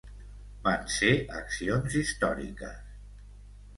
Van ser accions històriques.